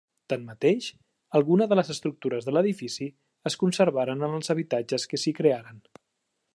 Tanmateix, algunes de les estructures de l'edifici es conservaren en els habitatges que s'hi crearen.